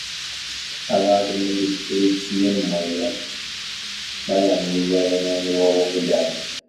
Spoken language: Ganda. Abantu mu disitulikiti y'e Moyo baayaniriza abanoonyiboobubudamu.